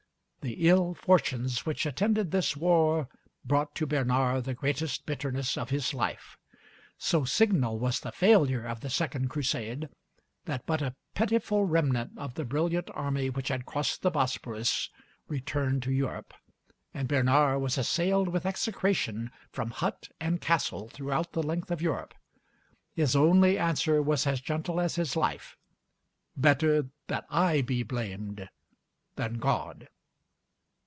The ill fortunes which attended this war brought to Bernard the greatest bitterness of his life. So signal was the failure of the Second Crusade, that but a pitiful remnant of the brilliant army which had crossed the Bosphorus returned to Europe, and Bernard was assailed with execration from hut and castle throughout the length of Europe. His only answer was as gentle as his life: "Better that I be blamed than God."